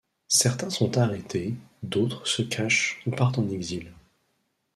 Certains sont arrêtés, d'autres se cachent ou partent en exil.